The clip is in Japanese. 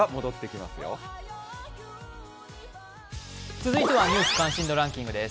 続いては「ニュース関心度ランキング」です。